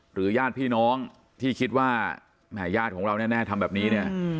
ญาติพี่น้องที่คิดว่าแหมญาติของเราแน่ทำแบบนี้เนี่ย